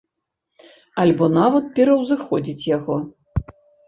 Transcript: Альбо нават пераўзыходзяць яго.